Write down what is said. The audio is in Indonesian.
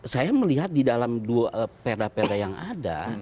saya melihat di dalam dua perda perda yang ada